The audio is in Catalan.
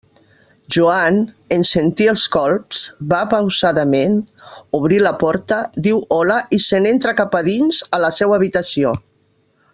Joan, en sentir els colps, va pausadament, obri la porta, diu «hola» i se n'entra cap a dins, a la seua habitació.